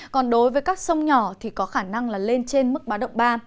còn đối với các sông nhỏ thì có khả năng là lên trên mức báo động ba